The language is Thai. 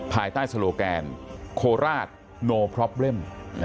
ภายใต้สโลแกนโคลราชโนพรอบเบิ้ล